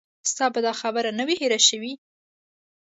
ستا به دا خبره نه وي هېره شوې.